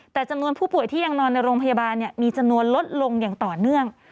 แต่จำนวนผู้ป่วยที่ยังนอนในโรงพยาบาลมีจำนวนลดลงอย่างต่อเนื่อง